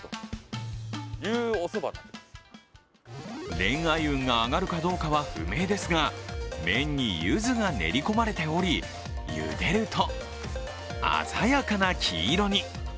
恋愛運が上がるかどうかは不明ですが、麺にゆずが練り込まれておりゆでると、鮮やかな黄色に。